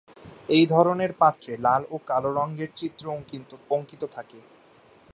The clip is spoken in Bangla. এই ধরনের পাত্রে লাল ও কালো রঙের চিত্র অঙ্কিত থাকে।